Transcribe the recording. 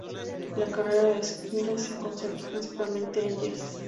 La carrera de Squire se concentró principalmente en Yes.